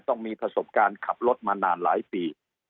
ต้องมีประสบการณ์ขับรถมานานหลายปี